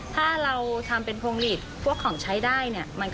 ถ้าเราทำเป็นพงฤตพวกของใช้ได้